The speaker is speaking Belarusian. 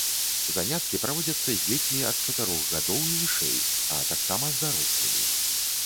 Заняткі праводзяцца з дзецьмі ад чатырох гадоў і вышэй, а таксама з дарослымі.